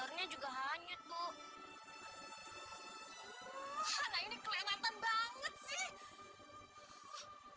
nah ini kelihatan banget sih